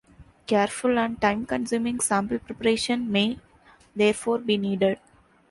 Careful and time-consuming sample preparation may therefore be needed.